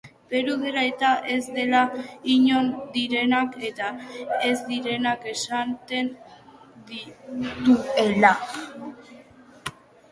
Peru dela eta ez dela, inon direnak eta ez direnak esaten zituela.